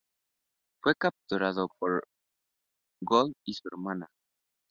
Fue capturado por Gol y su hermana.